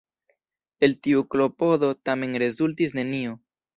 El tiu klopodo tamen rezultis nenio.